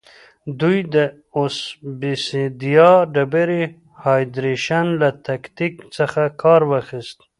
دوی د اوبسیدیان ډبرې هایدرېشن له تکتیک څخه کار واخیست